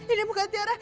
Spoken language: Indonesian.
ini bukan tiara